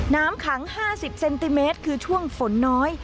น้ำขัง๕๐เซนติเมตรคือช่วงฝนน้อย